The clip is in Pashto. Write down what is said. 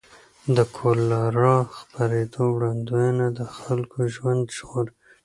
د کولرا خپرېدو وړاندوینه د خلکو ژوند ژغوري.